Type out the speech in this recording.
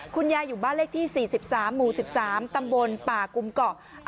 คุณยายอยู่บ้านเลขที่๔๓หมู่๑๓ตำบลป่ากุมเกาะ